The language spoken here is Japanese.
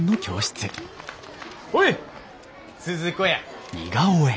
ほい鈴子や。